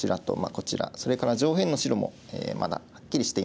それから上辺の白もまだはっきりしていません。